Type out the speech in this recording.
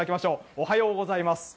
おはようございます。